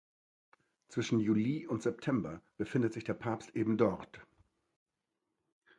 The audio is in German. Zwischen Juli und September befindet sich der Papst ebendort.